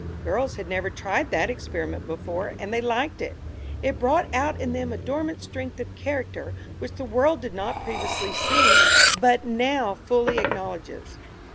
Girls had never tried that experiment before, and they liked it. It brought out in them a dormant strength of character which the world did not previously see, but now fully acknowledges.